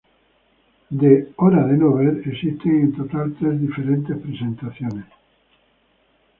De "Hora de no ver" existen en total tres diferentes presentaciones.